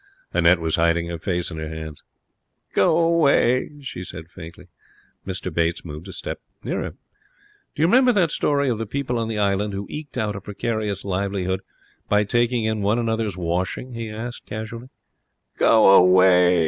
Annette was hiding her face in her hands. 'Go away!' she said, faintly. Mr Bates moved a step nearer. 'Do you remember that story of the people on the island who eked out a precarious livelihood by taking in one another's washing?' he asked, casually. 'Go away!'